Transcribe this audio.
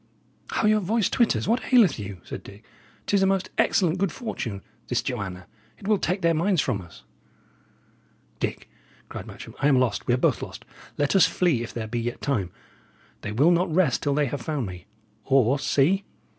"How your voice twitters! What aileth you?" said Dick. "'Tis a most excellent good fortune, this Joanna; it will take their minds from us." "Dick," cried Matcham, "I am lost; we are both lost. Let us flee if there be yet time. They will not rest till they have found me. Or, see!